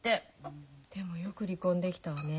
でもよく離婚できたわね。